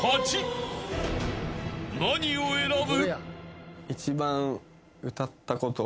［何を選ぶ？］